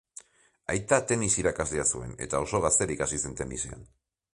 Aita tenis-irakaslea zuen, eta oso gazterik hasi zen tenisean.